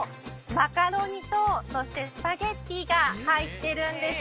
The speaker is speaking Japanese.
マカロニとそしてスパゲティが入ってるんです